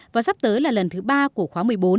và sắp tới là lần thứ ba của khóa một mươi bốn